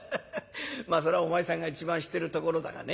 まあそらお前さんが一番知ってるところだがね。